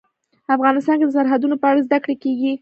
افغانستان کې د سرحدونه په اړه زده کړه کېږي.